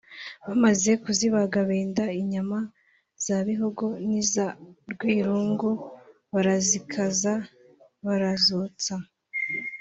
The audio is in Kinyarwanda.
bamaze kuzibaga benda inyama za Bihogo n’iza Rwirungu barazikaza ( barazotsa)